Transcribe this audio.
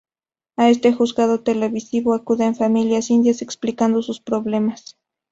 A este juzgado televisivo acuden familias indias explicando sus problemas.